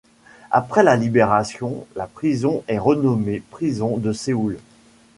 Après la libération, la prison est renommée prison de Séoul.